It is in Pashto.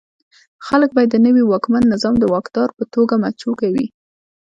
خلک به یې د نوي واکمن نظام د واکدار په توګه مچو کوي.